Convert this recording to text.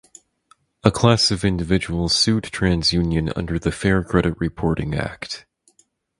A class of individuals sued TransUnion under the Fair Credit Reporting Act.